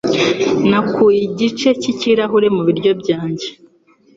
Nakuye igice cy'ikirahure mu biryo byanjye.